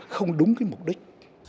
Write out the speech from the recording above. không đúng cái mục đích